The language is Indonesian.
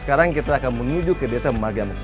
sekarang kita akan menuju ke desa margamuk